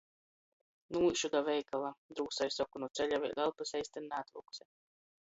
"Nūīšu da veikala!" drūsai soku, nu ceļa vēļ elpys eistyn naatvylkuse.